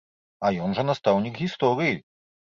А ён жа настаўнік гісторыі.